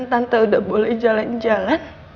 tante udah boleh jalan jalan